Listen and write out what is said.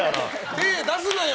手出すなよ！